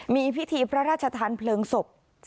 มีพิธีพระราชทานเพลิงศพ